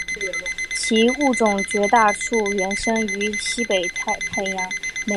其物种绝大多数原生于西北太平洋。